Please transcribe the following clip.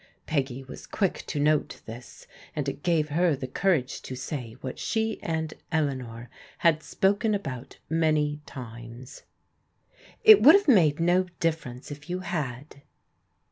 Peggy was quick to note this, and it gave her the courage to say what she and Eleanor had spoken at)out many times. " It would have made no difference if you had.'